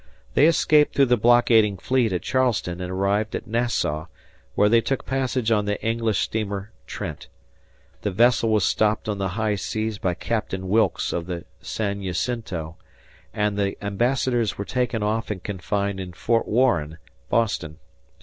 They escaped through the blockading fleet at Charleston and arrived at Nassau, where they took passage on the English steamer Trent. The vessel was stopped on the high seas by Captain Wilkes of the San Jacinto, and the ambassadors were taken off and confined in Fort Warren, Boston.